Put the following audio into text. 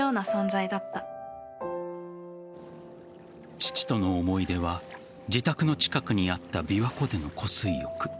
父との思い出は自宅の近くにあった琵琶湖での湖水浴。